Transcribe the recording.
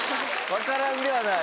分からんではない。